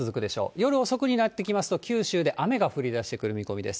夜遅くになってきますと、九州で雨が降りだしてくる見込みです。